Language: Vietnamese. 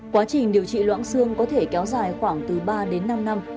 quá trình điều trị loãng xương có thể kéo dài khoảng từ ba đến năm năm